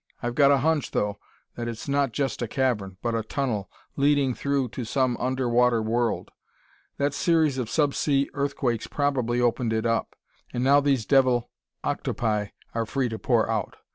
I've got a hunch, though, that it's not just a cavern, but a tunnel, leading through to some underwater world. That series of sub sea earthquakes probably opened it up; and now these devil octopi are free to pour out.